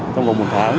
trong vòng một tháng